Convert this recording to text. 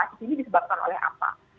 ini disebabkan oleh apa